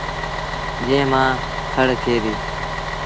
جݩهݩ مآݩ کڙ ٿئي ديٚ